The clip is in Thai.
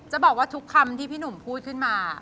จะบอกว่าทุกคำที่พี่หนุ่มพูดขึ้นมา